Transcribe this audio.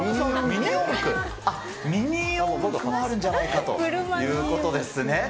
ミニヨンクもあるんじゃないかということですね。